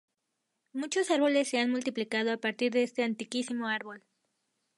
Muchos árboles se han multiplicado a partir de ese antiquísimo árbol.